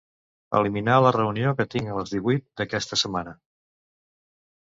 Eliminar la reunió que tinc a les divuit d'aquesta setmana.